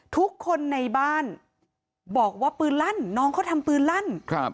ทุกคนในบ้านบอกว่าปืนลั่นน้องเขาทำปืนลั่น